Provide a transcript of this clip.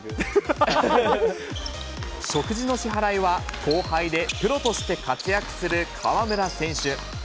食事の支払いは、後輩でプロとして活躍する河村選手。